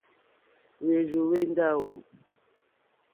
Hwérzù hwé ndáwò.